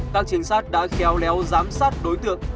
các chiến sát đã khéo léo giám sát đối tượng